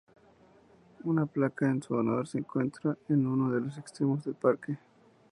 Una placa en su honor se encuentra en uno de los extremos del parque.